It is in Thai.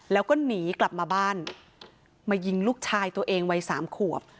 แล้วก็หนีกลับมาบ้านมายิงลูกชายตัวเองวัยสามขวบ